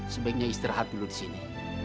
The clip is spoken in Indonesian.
sebaiknya istirahat dulu disini